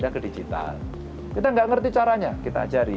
kita gak ngerti caranya kita ajarin